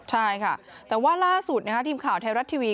ใช่ค่ะแต่ว่าล่าสุดทีมข่าวไทยรัฐทีวี